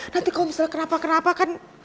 nanti kalau misalnya kenapa kenapa kan